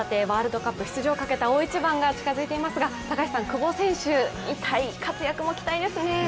ワールドカップ出場をかけた大一番が近づいていますが久保選手、活躍、期待ですね。